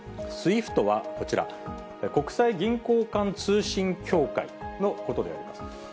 ＳＷＩＦＴはこちら、国際銀行間通信協会のことであります。